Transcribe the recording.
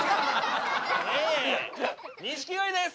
錦鯉です。